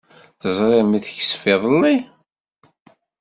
Teẓriḍ mi teksef iḍelli?